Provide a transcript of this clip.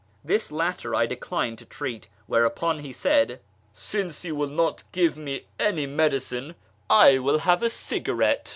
This latter I declined jto treat, whereupon he said, " Since you will not give me 'any medicine, I will have a cigarette."